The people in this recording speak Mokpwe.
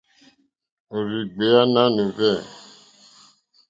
Òrzìɡbèá nánù hwɛ̂.